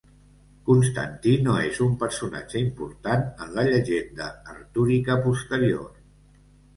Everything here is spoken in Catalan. Constantí no és un personatge important en la llegenda artúrica posterior.